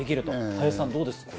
林さん、どうですか？